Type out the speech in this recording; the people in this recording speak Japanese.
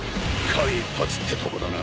間一髪ってとこだな。